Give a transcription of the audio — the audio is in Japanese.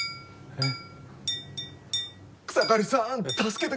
えっ！？